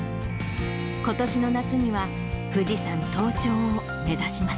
ことしの夏には富士山登頂を目指します。